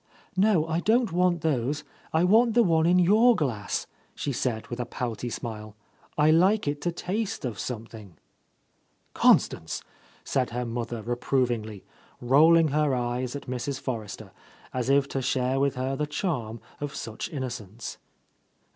"No, I don't want those. I want the one in your glass," she said with a pouty smile. "I like it to taste of something 1" "Constance!" said her mother reprovingly, rolling her eyes at Mrs. Forrester, as if to share with her the charm of such innocence.